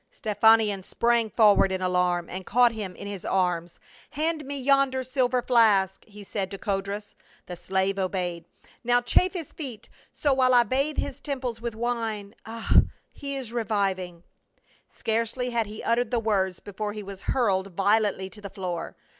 Stephanion sprang for ward in alarm and caught him in his arms. " Hand me yonder silver flask !" he said to Codrus. The slave obeyed. " Now chafe his feet — so, while I bathe his temples with wine, ah — he is reviving." Scarcely had he uttered the words before he was hurled violently to the floor.